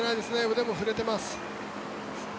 腕も振れています。